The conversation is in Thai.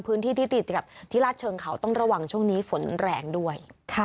พื้นที่ที่ติดกับที่ราชเชิงเขาต้องระวังช่วงนี้ฝนแรงด้วย